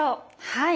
はい。